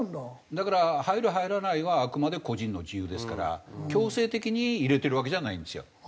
だから入る入らないはあくまで個人の自由ですから強制的に入れてるわけじゃないんですよ。